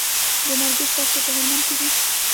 د مارګو دښتې په هلمند کې دي